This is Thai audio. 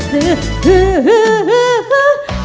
ฮือฮือฮือฮือ